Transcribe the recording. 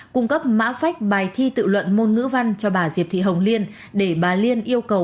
cung cấp mã phách bài thi tự luận môn ngữ văn cho bà diệp thị hồng liên để bà liên yêu cầu